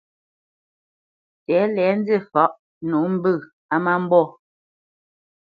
Tɛ̌lɛ nzî fǎʼ nǒ mbə̄ á má mbɔ̂.